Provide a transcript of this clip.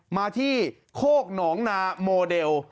มาที่โคกหนองนาโมเดล